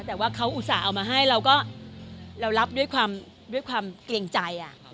แต่ว่าเขาอุตส่าห์เอามาให้เรารับด้วยความเกรงใจ